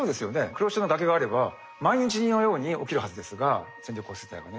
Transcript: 黒潮の崖があれば毎日のように起きるはずですが線状降水帯がね。